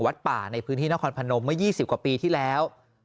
ป่าในพื้นที่นครพนมเมื่อ๒๐กว่าปีที่แล้ว